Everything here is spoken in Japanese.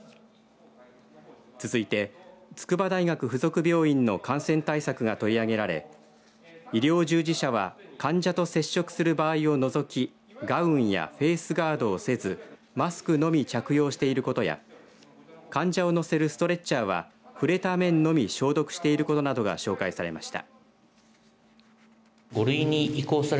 続いて、筑波大学附属病院の感染対策が取り上げられ医療従事者は患者と接触する場合を除きガウンやフェースガードをせずマスクのみ着用していることや患者を乗せるストレッチャーは触れた面のみ消毒していることなどが紹介されました。